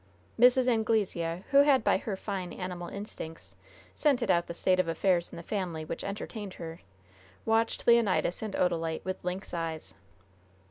Mrs. Anglesea, who had by her fine animal instincts scented out the state of affairs in the family which entertained her, watched Leonidas and Odalite with lynx eyes.